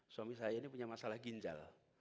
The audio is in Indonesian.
suami saya ini punya masalah ginjal